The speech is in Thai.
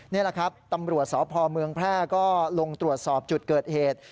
นี่แหละครับตำรวจสพเมืองแพร่ก็ลงตรวจสอบจุดเกิดเหตุ